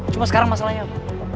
cuma sekarang masalahnya apa